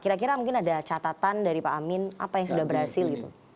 kira kira mungkin ada catatan dari pak amin apa yang sudah berhasil gitu